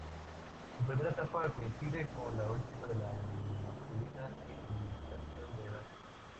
Su primera etapa coincide con la última de la masculina sin limitación de edad.